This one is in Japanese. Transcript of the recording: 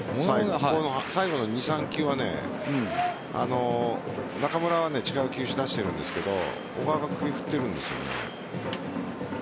最後の２３球は中村は違う球種を出しているんですが小川が首を振っているんですよね。